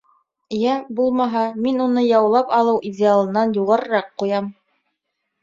Йә, булмаһа, мин уны яулап алыу идеалынан юғарыраҡ ҡуям.